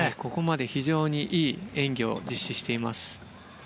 非常にいい演技を実施しています。